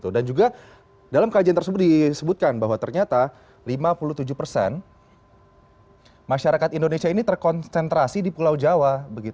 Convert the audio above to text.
dan juga dalam kajian tersebut disebutkan bahwa ternyata lima puluh tujuh persen masyarakat indonesia ini terkonsentrasi di pulau jawa